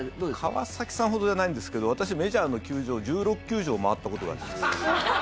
川崎さんほどではないんですけど私、メジャーの球場１６球場回ったことがあります。